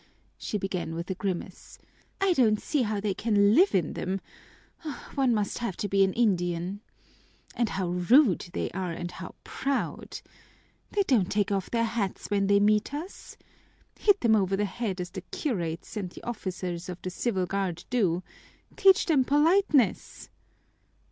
she began with a grimace. "I don't see how they can live in them one must have to be an Indian! And how rude they are and how proud! They don't take off their hats when they meet us! Hit them over the head as the curates and the officers of the Civil Guard do teach them politeness!"